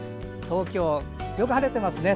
東京、よく晴れてますね。